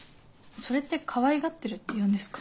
それってかわいがってるって言うんですか？